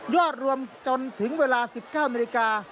รวมจนถึงเวลา๑๙นาฬิกา